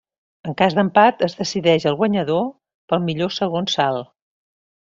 En cas d'empat es decideix el guanyador pel millor segon salt.